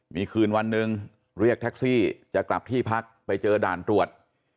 มีคืนวันหนึ่งเรียกแท็กซี่จะกลับที่พักไปเจอด่านตรวจ